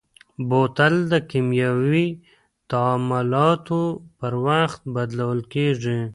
بوتل د کیمیاوي تعاملاتو پر وخت بدلول کېږي.